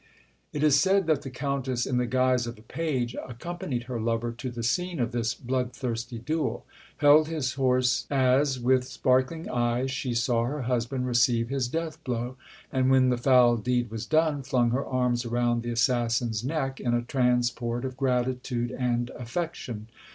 It is said that the Countess, in the guise of a page, accompanied her lover to the scene of this bloodthirsty duel; held his horse as, with sparkling eyes, she saw her husband receive his death blow; and, when the foul deed was done, flung her arms around the assassin's neck in a transport of gratitude and affection.